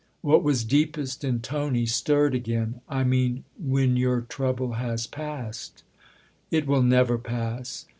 What was deepest in Tony stirred again. " I mean when your trouble has passed." " It will never pass.